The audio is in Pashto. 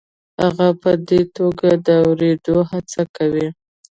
هغه په دې توګه د اورېدو هڅه کوي.